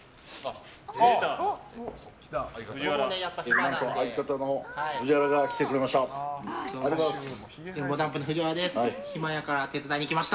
何と相方の藤原が来てくれました。